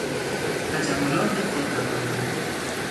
تجملات خودنمایانه